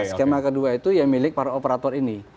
skemanya kedua itu milik para operator ini